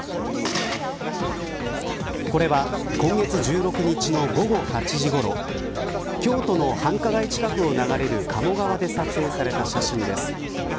これは今月１６日の午後８時ごろ京都の繁華街近くを流れる鴨川で撮影された写真です。